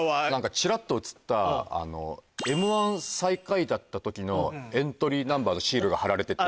ちらっと映った『Ｍ−１』最下位だった時のエントリーナンバーのシールが貼られてて。